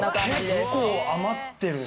結構余ってるね。